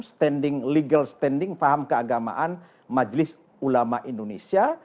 standing legal standing faham keagamaan majelis ulama indonesia